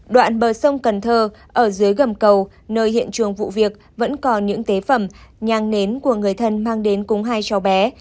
đoạn bờ sông cần thơ ở dưới gầm cầu nơi hiện trường vụ việc vẫn còn những tế phẩm nhang nến của người thân mang đến cùng hai cháu bé